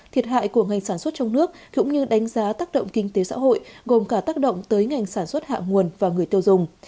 thiệt hại của ngành sản xuất trong nước cũng như đánh giá tác động kinh tế xã hội gồm cả tác động tới ngành sản xuất hạ nguồn và người tiêu dùng